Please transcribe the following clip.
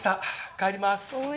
帰ります。